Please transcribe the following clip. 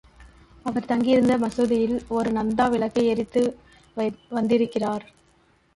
அவர் தங்கியிருந்த மசூதியில் ஒரு நந்தா விளக்கை எரித்து வந்திருக்கிறார்.